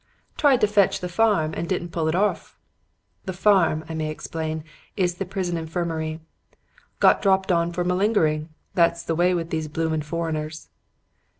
Tried to fetch the farm and didn't pull it orf.' ('The farm,' I may explain, is the prison infirmary.) 'Got dropped on for malingering. That's the way with these bloomin' foreigners.'